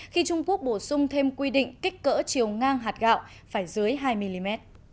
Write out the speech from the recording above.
khi trung quốc bổ sung thêm quy định kích cỡ chiều ngang hạt gạo phải dưới hai mm